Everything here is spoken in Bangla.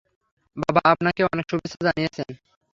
বাবা আপনাকে অনেক শুভেচ্ছা জানিয়েছেন।